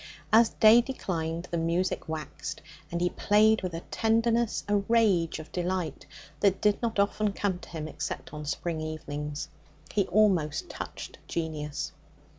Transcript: As day declined the music waxed; he played with a tenderness, a rage of delight, that did not often come to him except on spring evenings. He almost touched genius.